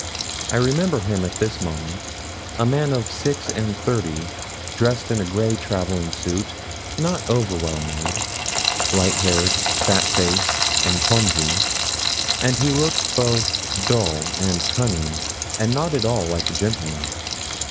I remember him at this moment a man of six and thirty dressed in a grey travelling suit, not over well made; light haired, fat faced, and clumsy; and he looked both dull and cunning, and not at all like a gentleman.